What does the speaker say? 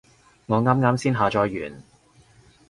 我啱啱先下載完